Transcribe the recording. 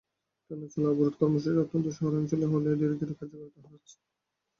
টানা চলা অবরোধ কর্মসূচি অন্তত শহরাঞ্চলে হলেও ধীরে ধীরে কার্যকারিতা হারাচ্ছে।